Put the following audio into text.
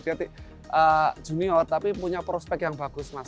berarti junior tapi punya prospek yang bagus mas